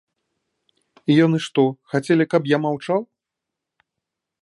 І яны што, хацелі, каб я маўчаў?